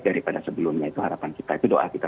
daripada sebelumnya itu harapan kita itu doa kita